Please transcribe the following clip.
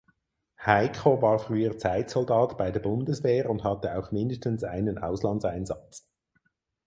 Heiko war früher Zeitsoldat bei der Bundeswehr und hatte auch mindestens einen Auslandseinsatz.